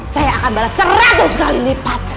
saya akan balas seratus kali lipat